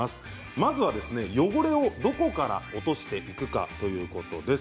まずは汚れをどこから落としていくかということです。